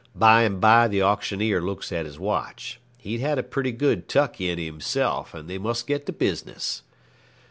By and by the auctioneer looks at his watch. He'd had a pretty good tuck in himself, and they must get to business.